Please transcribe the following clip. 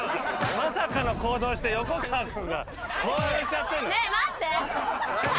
まさかの行動して横川君が興奮しちゃってる。